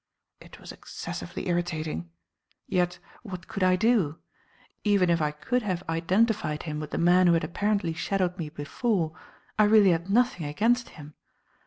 It was excessively irritating. Yet what could I do? Even if I could have identified him with the man who had apparently shadowed me before, I really had nothing against him.